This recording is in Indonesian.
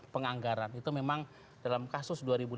penganggaran itu memang dalam kasus